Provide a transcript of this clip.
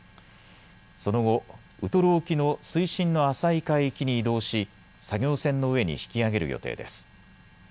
その後、ウトロ沖の水深の浅い海域に移動し、作業船の上に引き揚げる予定です。